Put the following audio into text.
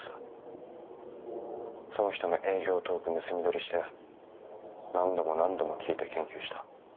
その人の営業トーク盗み撮りして何度も何度も聞いて研究した。